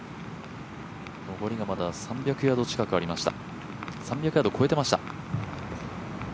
残りがまだ３００ヤード近くありました。